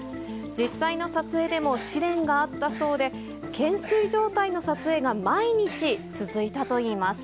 実際の撮影でも試練があったそうで、懸垂状態の撮影が毎日続いたといいます。